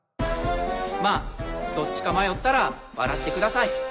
まぁどっちか迷ったら笑ってください。